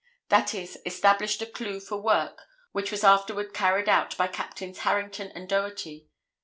That is, established a clue for work which was afterward carried out by Captains Harrington and Doherty.